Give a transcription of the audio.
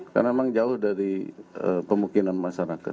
karena memang jauh dari pemungkinan masyarakat